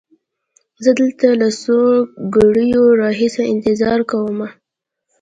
زه دلته له څو ګړیو را هیسې انتظار کومه.